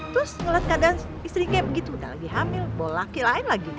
terus ngeliat keadaan istri kayak begitu udah lagi hamil bawa laki lain lagi